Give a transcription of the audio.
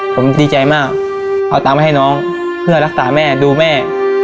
ผมดีใจมากเอาตังค์ไปให้น้องเพื่อรักษาแม่ดูแม่